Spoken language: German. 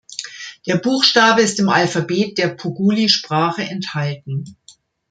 Der Buchstabe ist im Alphabet der Puguli-Sprache enthalten.